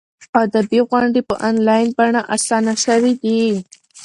ادبي غونډې په انلاین بڼه اسانه شوي دي.